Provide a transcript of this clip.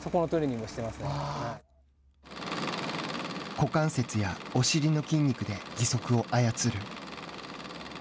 股関節やお尻の筋肉で義足を操る。